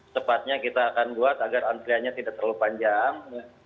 tepatnya kita akan buat agar antriannya tidak terlalu panjang